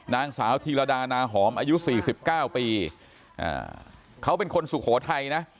นางสาวธีรดานาหอมอายุสี่สิบเก้าปีอ่าเขาเป็นคนสุโขทัยนะ